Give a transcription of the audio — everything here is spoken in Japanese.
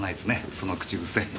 その口癖。